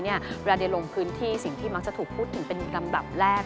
เวลาได้ลงพื้นที่สิ่งที่มักจะถูกพูดถึงเป็นลำดับแรก